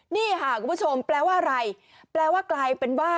นี่ค่ะคุณผู้ชมแปลว่าอะไรแปลว่ากลายเป็นว่า